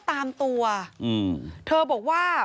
ตามตัวอืมเธอบอกว่า